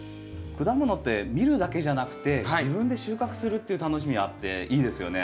果物って見るだけじゃなくて自分で収穫するっていう楽しみあっていいですよね。